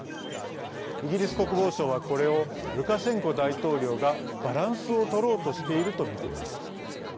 イギリス国防省はこれをルカシェンコ大統領がバランスをとろうとしているとみています。